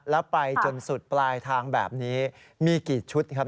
แล้วไปจนสุดปลายทางแบบนี้มีกี่ชุดครับ